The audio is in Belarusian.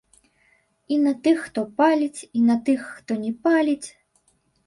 І на тых, хто паліць, і на тых, хто не паліць.